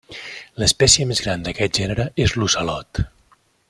L'espècie més gran d'aquest gènere és l'Ocelot.